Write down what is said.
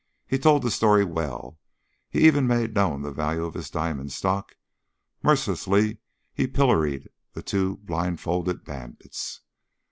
He told the story well; he even made known the value of his diamond stock; mercilessly he pilloried the two blindfolded bandits.